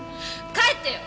帰ってよ！